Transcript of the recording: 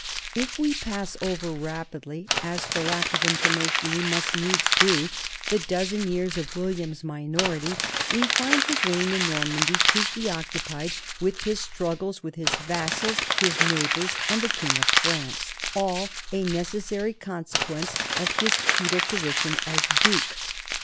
If we pass over rapidly, as for lack of information we must needs do, the dozen years of William's minority, we find his reign in Normandy chiefly occupied with his struggles with his vassals, his neighbors, and the king of France, all a necessary consequence of his feudal position as duke.